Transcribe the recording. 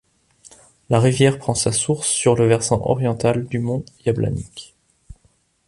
La rivière prend sa source sur le versant oriental du mont Jablanik.